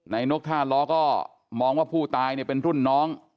นกท่าล้อก็มองว่าผู้ตายเนี่ยเป็นรุ่นน้อง